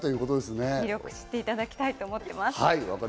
よく知っていただきたいと思っています。